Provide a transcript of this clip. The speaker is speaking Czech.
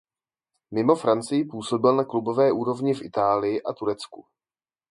Mimo Francii působil na klubové úrovni v Itálii a Turecku.